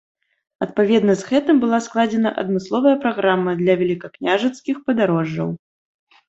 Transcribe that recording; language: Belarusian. Адпаведна з гэтым была складзена адмысловая праграма для вялікакняжацкіх падарожжаў.